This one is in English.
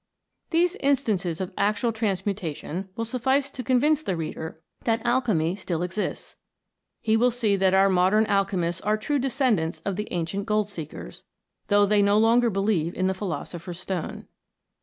These instances of actiial transmutation will suffice to convince the reader that alchemy still exists. He will see that our modern alchemists are true descendants of the ancient gold seekers, though they no longer believe in the philosopher's stone.